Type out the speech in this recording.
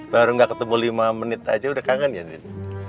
baru nggak ketemu lima menit aja udah kangen ya ini